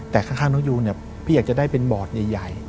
แต่ข้างน้องยูนพี่อยากจะได้เป็นบอร์ดใหญ่